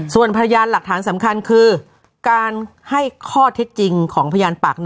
ส่วนพยานหลักฐานสำคัญคือการให้ข้อเท็จจริงของพยานปาก๑